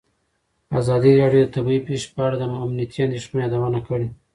ازادي راډیو د طبیعي پېښې په اړه د امنیتي اندېښنو یادونه کړې.